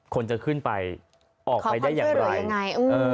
คนจะขึ้นไปออกไปได้อย่างไร